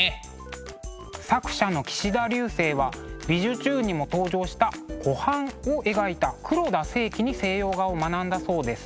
作者の岸田劉生は「びじゅチューン！」にも登場した「湖畔」を描いた黒田清輝に西洋画を学んだそうです。